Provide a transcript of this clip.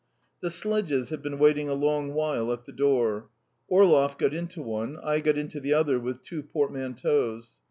The sledges had been waiting a long while at the door. Orlov got into one, I got into the other with two portmanteaus.